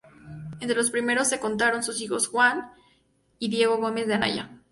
Entre los primeros se contaron sus hijos Juan y Diego Gómez de Anaya.